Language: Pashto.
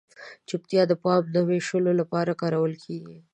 چپتیا د پام نه وېشلو لپاره کارول کیږي.